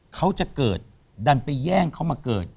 เขาจะเกิดดันไปแย่งเขามาเกิด